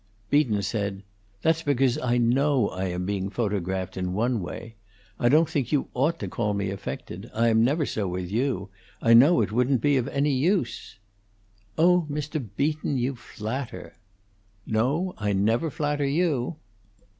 Beaton said: "That's because I know I am being photographed, in one way. I don't think you ought to call me affected. I never am so with you; I know it wouldn't be of any use." "Oh, Mr. Beaton, you flatter." "No, I never flatter you."